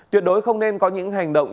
tuyệt đối không nên có những hành động